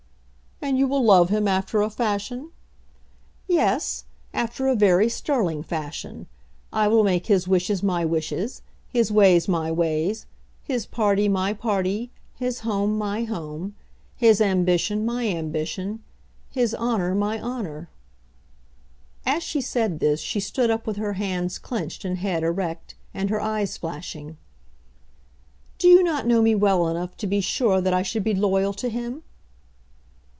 "And you will love him after a fashion?" "Yes; after a very sterling fashion. I will make his wishes my wishes, his ways my ways, his party my party, his home my home, his ambition my ambition, his honour my honour." As she said this she stood up with her hands clenched and head erect, and her eyes flashing. "Do you not know me well enough to be sure that I should be loyal to him?"